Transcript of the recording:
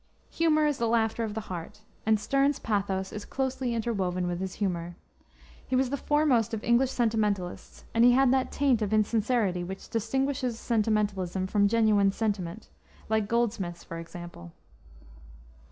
Humor is the laughter of the heart, and Sterne's pathos is closely interwoven with his humor. He was the foremost of English sentimentalists, and he had that taint of insincerity which distinguishes sentimentalism from genuine sentiment, like Goldsmith's, for example.